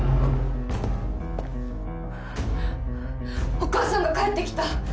お母さんが帰って来た！